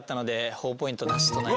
ほぉポイントなしとなります。